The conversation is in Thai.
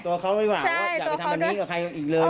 ตัวเขาไม่หวังว่าอย่าไปทำแบบนี้กับใครอีกเลย